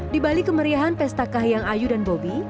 di balik kemeriahan pesta kahiyang ayu dan bobi